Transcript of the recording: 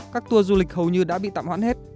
các tour du lịch hầu như đã bị tạm hoãn hết